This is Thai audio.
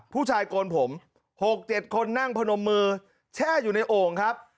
ผู้ชายโกนผมหกเจ็ดคนนั่งพนมมือแช่อยู่ในโอ่งครับ